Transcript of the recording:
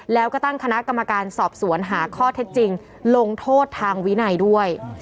แล้วก็ตั้งคณะกรรมการสอบสวนหาข้อเท็จจริงลงโทษทางวินัยด้วย